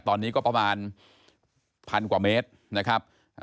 ตอนนี้ก็ประมาณพันกว่าเมตรนะครับ